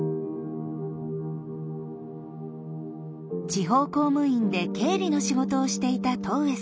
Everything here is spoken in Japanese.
地方公務員で経理の仕事をしていた戸上さん。